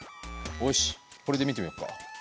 よしこれで見てみようか。